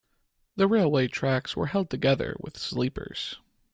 The railway tracks were held together with sleepers